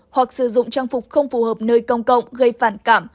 hoặc sử dụng trang phục không phù hợp nơi công cộng gây phản cảm